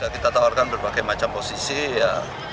kita tawarkan berbagai macam posisi ya